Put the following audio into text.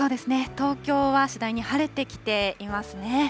東京は次第に晴れてきていますね。